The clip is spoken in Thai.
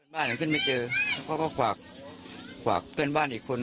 บ้านคนขึ้นมาเจอแล้วก็กว่ากว่ากเพื่อนบ้านอีกคน